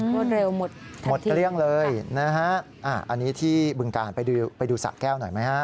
รวมเร็วหมดทันทีค่ะอันนี้ที่บึงการไปดูสระแก้วหน่อยไหมฮะ